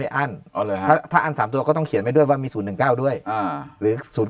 ไม่อั้นถ้าอั้น๓ตัวก็ต้องเขียนไปด้วยว่ามี๐๑๙ด้วยหรือ๐๙๑